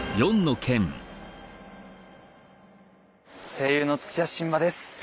声優の土屋神葉です。